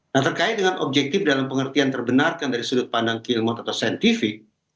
nah terkait dengan objektif dalam pengertian terbenarkan dari sudut pandang keilmuan atau saintifik